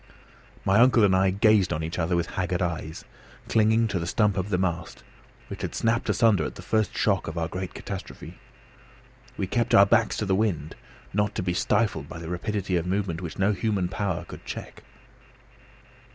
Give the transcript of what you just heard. My uncle and I gazed on each other with haggard eyes, clinging to the stump of the mast, which had snapped asunder at the first shock of our great catastrophe. We kept our backs to the wind, not to be stifled by the rapidity of a movement which no human power could check.